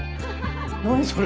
何それ？